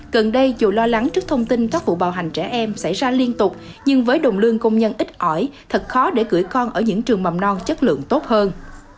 gần đây dù lo lắng trước thông tin các vụ bạo hành trẻ em xảy ra liên tục nhưng với đồng lương công nhân ít ỏi thật khó để gửi con ở những trường mầm non chất lượng tốt hơn